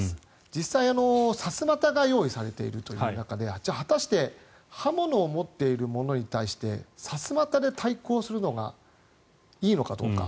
実際、さすまたが用意されているという中で果たして刃物を持っている者に対してさすまたで対抗するのがいいのかどうか。